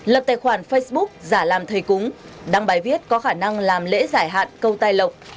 lập tài khoản facebook giả làm thầy cúng đăng bài viết có khả năng làm lễ giải hạn câu tai lộc